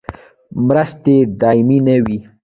مرستې دایمي نه وي